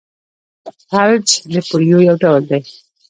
فلج د پولیو یو ډول دی.